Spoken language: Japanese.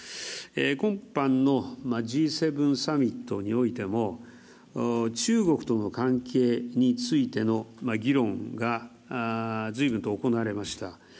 今般のＧ７サミットにおいても中国との関係についての議論がずいぶんと行われました。